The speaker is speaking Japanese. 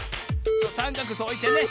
さんかくそうおいてね。